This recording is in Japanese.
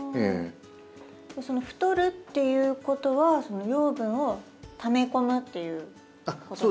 その太るっていうことは養分をため込むっていうことなんですね。